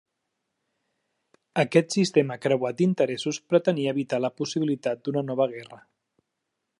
Aquest sistema creuat d'interessos pretenia evitar la possibilitat d'una nova guerra.